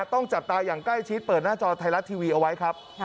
ต้องจับตาอย่างใกล้ชิดเปิดหน้าจอไทยรัฐทีวีเอาไว้ครับ